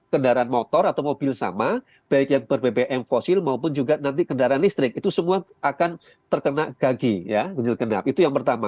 kendaraan motor atau mobil sama baik yang berbbm fosil maupun juga nanti kendaraan listrik itu semua akan terkena gagi ya ganjil genap itu yang pertama